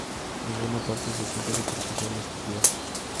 Ninguna parte se siente superficial o estúpida.